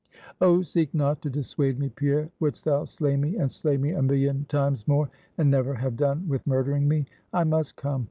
"Oh seek not to dissuade me, Pierre. Wouldst thou slay me, and slay me a million times more? and never have done with murdering me? I must come!